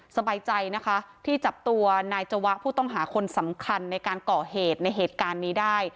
สบายใจนะคะที่จับตัวนายจวะผู้ต้องหาคนสำคัญในการก่อเหตุในเหตุการณ์นี้ได้